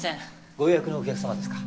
ご予約のお客さまですか？